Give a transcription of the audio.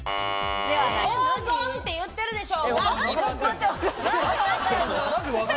黄金って言ってるでしょ。